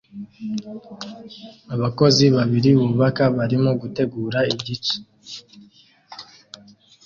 Abakozi babiri bubaka barimo gutegura igice